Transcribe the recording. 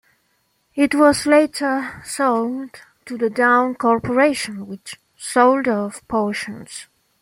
It was later sold to the Daon Corporation, which sold off portions.